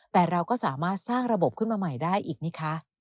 แต่เราก็สามารถสร้างระบบขึ้นมาใหม่ได้อีกนี่คะ